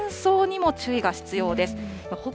そして乾燥にも注意が必要です。